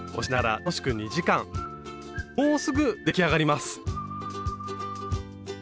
もうすぐ出来上がります。